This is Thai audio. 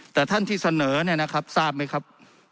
แต่ท่านที่เสนอเนี่ยนะครับทราบไหมครับ